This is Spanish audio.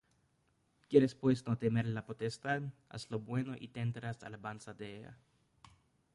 ¿Quieres pues no temer la potestad? haz lo bueno, y tendrás alabanza de ella;